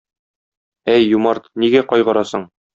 Әй, юмарт, нигә кайгырасың?